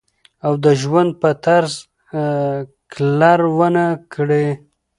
او د ژوند پۀ طرز کلر ونۀ کړي